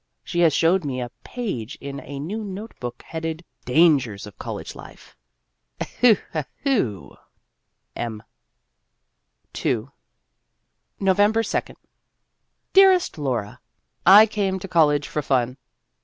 She has showed me a page in a new note book headed, " Dangers of College Life." Eheu, eheu ! M. II November 2d. DEAREST LAURA : I came to college for fun.